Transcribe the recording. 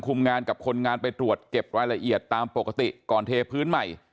งานกับคนงานไปตรวจเก็บรายละเอียดตามปกติก่อนเทพื้นใหม่